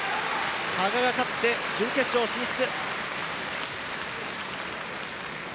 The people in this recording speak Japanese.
羽賀が勝って準決勝進出。